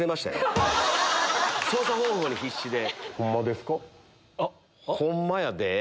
操作方法に必死で。